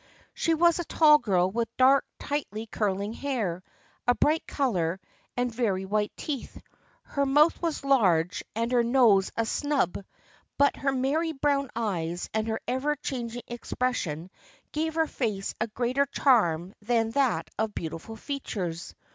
She was a tall girl with dark, tightly curling hair, a bright color and very white teeth. Her mouth was large and her THE FEIENDSHIP OF ANNE 27 nose a snub but her merry brown eyes and her ever changing expression gave her face a greater charm than that of beautiful features.